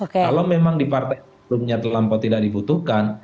kalau memang di partai tersebut nyatelampau tidak dibutuhkan